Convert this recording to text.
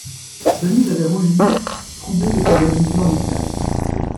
Denise avait rougi, troublée de ces allusions amicales.